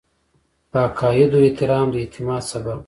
د عقایدو احترام د اعتماد سبب دی.